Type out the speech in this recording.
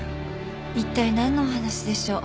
一体なんのお話でしょう？